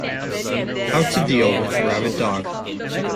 How to deal with a rabid dog.